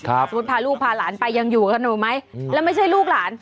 สมมุติพาลูกพาหลานไปยังอยู่กับหนูไหมแล้วไม่ใช่ลูกหลาน